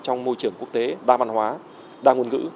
trong môi trường quốc tế đa măn hóa đa nguồn ngữ